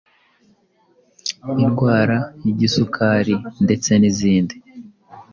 indwara y’igisukari ndetse nizindi